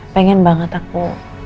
pengen banget aku